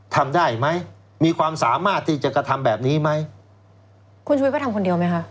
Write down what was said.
ทำได้ไหมมีความสามารถที่จะกระทำแบบนี้ไหมคุณชุวิตก็ทำคนเดียวไหมคะ